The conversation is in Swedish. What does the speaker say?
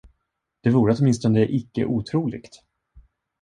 Det vore åtminstone icke otroligt.